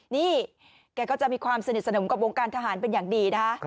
นี่แกก็จะมีความสนิทสนมกับวงการทหารเป็นอย่างดีนะคะ